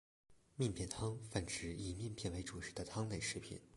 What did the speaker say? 面片汤泛指以面片为主食的汤类食品。